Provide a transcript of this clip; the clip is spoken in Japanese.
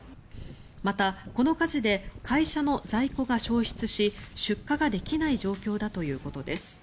また、この火事で会社の在庫が焼失し出荷ができない状況だということです。